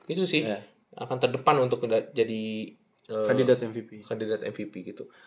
itu sih akan terdepan untuk jadi kandidat mpp gitu